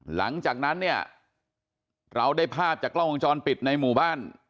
หลังจากนั้นเนี่ยเราได้ภาพจากกล้องวงจรปิดในหมู่บ้าน